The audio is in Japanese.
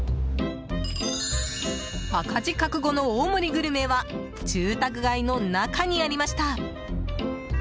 赤字覚悟の大盛りグルメは住宅街の中にありました。